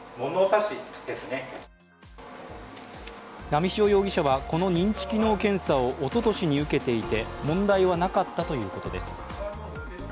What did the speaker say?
波汐容疑者はこの認知機能検査をおととしに受けていて、問題はなかったということです。